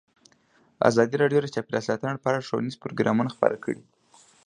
ازادي راډیو د چاپیریال ساتنه په اړه ښوونیز پروګرامونه خپاره کړي.